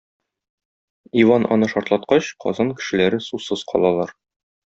Иван аны шартлаткач, Казан кешеләре сусыз калалар.